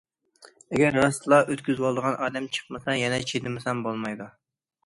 ئەگەر راستلا ئۆتكۈزۈۋالىدىغان ئادەم چىقمىسا، يەنە چىدىمىسام بولمايدۇ.